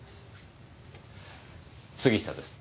杉下です。